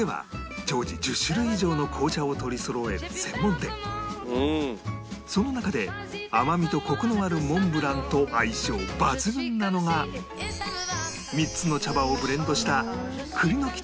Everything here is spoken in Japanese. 店は常時その中で甘みとコクのあるモンブランと相性抜群なのが３つの茶葉をブレンドした